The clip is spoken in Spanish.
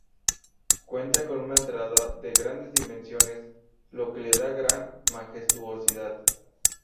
Cuenta con una entrada de grandes dimensiones, lo que le da gran majestuosidad.